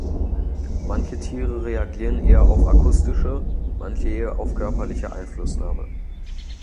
Manche Tiere reagieren eher auf akustische, manche eher auf körperliche Einflussnahme.